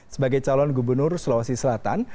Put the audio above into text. sebagai calon gubernur sulawesi selatan